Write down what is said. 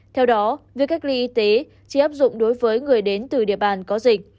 theo đó việc cách ly y tế chỉ áp dụng đối với người đến từ địa bàn có dịch